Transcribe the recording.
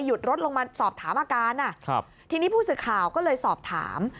หยุดรถลงมาสอบถามอาการที่นี้ผู้สูญข่าวก็เลยสอบถาม